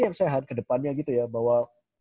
yang saya harap ke depannya gitu ya bahwa